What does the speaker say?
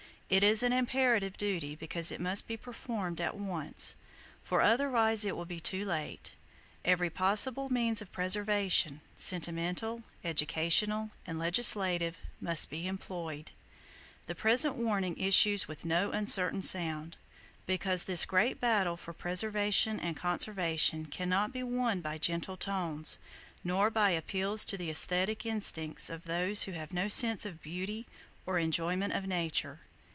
It is an imperative duty, because it must be performed at once, for otherwise it will be too late. Every possible means of preservation,—sentimental, educational and legislative,—must be employed. The present warning issues with no uncertain sound, because this great battle for preservation and conservation cannot be won by gentle tones, nor by appeals to the aesthetic instincts of those who have no sense of beauty, or enjoyment of Nature.